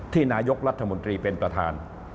นายกรัฐมนตรีเป็นประธาน